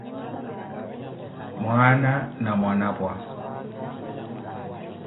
Mwaana na Mwanapwa